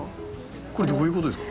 これどういうことですか？